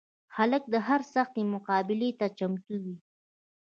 هلک د هر سختي مقابلې ته چمتو وي.